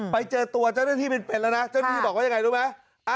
ไปเจอตัวเจ้าหน้าที่เป็นแล้วนะเจ้าหน้าที่บอกว่ายังไงรู้ไหม